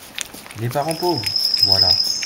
Les parents pauvres… voilà !